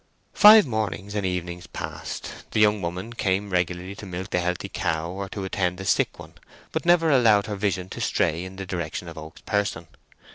Five mornings and evenings passed. The young woman came regularly to milk the healthy cow or to attend to the sick one, but never allowed her vision to stray in the direction of Oak's person.